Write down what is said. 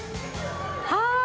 はい。